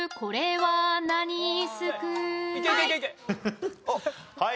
はい。